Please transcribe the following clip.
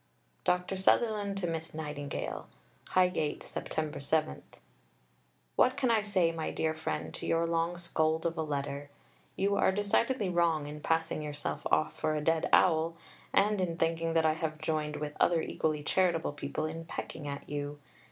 (Dr. Sutherland to Miss Nightingale.) HIGHGATE, Sept. 7. What can I say, my dear friend, to your long scold of a letter?...You are decidedly wrong in passing yourself off for a dead owl, and in thinking that I have joined with other equally charitable people in pecking at you.